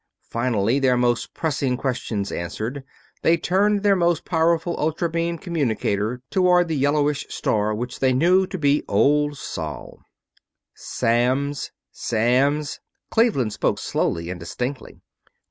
Finally, their most pressing questions answered, they turned their most powerful ultra beam communicator toward the yellowish star which they knew to be Old Sol. "Samms ... Samms." Cleveland spoke slowly and distinctly.